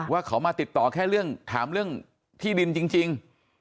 ว่าเขามาติดต่อแค่เรื่องถามเรื่องที่ดินจริง